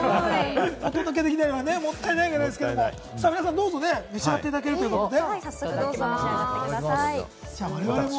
お届けできないのがもったいないくらいですけど、さあ、どうぞ皆さん召し上がっていただけるということでね。